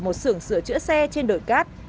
một sưởng sửa chữa xe trên đồi cát